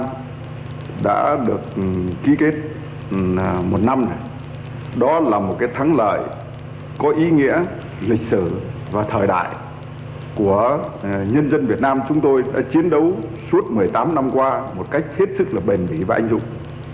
chúng ta đã được ký kết một năm này đó là một cái thắng lợi có ý nghĩa lịch sử và thời đại của nhân dân việt nam chúng tôi đã chiến đấu suốt một mươi tám năm qua một cách hết sức là bền bỉ và anh dũng